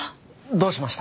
どうしました？